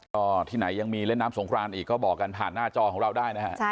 ก็ที่ไหนยังมีเล่นน้ำสงครานอีกก็บอกกันผ่านหน้าจอของเราได้นะฮะ